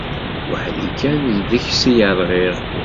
Weḥd-i kan deg-s ay rɣiɣ.